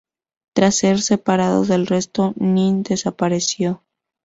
Tras ser separado del resto, Nin desapareció.